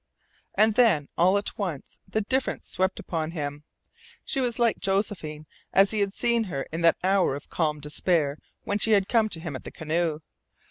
And then, all at once, the difference swept upon him. She was like Josephine as he had seen her in that hour of calm despair when she had come to him at the canoe.